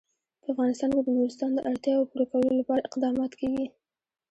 په افغانستان کې د نورستان د اړتیاوو پوره کولو لپاره اقدامات کېږي.